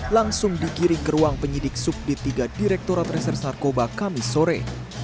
langsung dikiring ke ruang penyidik subdit tiga direkturat resers narkoba kamis sore